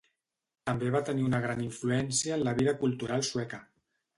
També va tenir una gran influència en la vida cultural sueca.